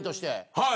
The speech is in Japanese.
はい。